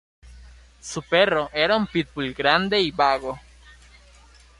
Su perro era un pitbull grande y vago.